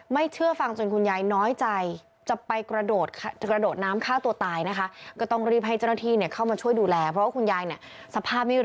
ไม่เชื่อฟังจนคุณยายน้อยใจ